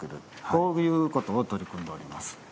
こういうことを取り組んでおります。